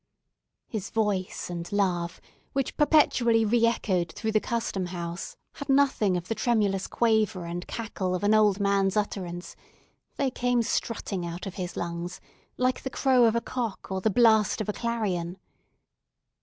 His voice and laugh, which perpetually re echoed through the Custom House, had nothing of the tremulous quaver and cackle of an old man's utterance; they came strutting out of his lungs, like the crow of a cock, or the blast of a clarion.